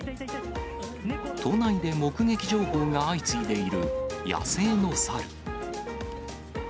都内で目撃情報が相次いでいる野生の猿。